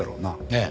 ええ。